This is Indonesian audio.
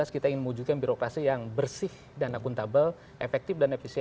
dua ribu sembilan belas kita ingin mewujudkan birokrasi yang bersih dan akuntabel efektif dan efisien